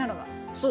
そう。